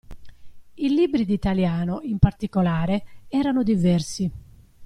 I libri di italiano, in particolare, erano diversi.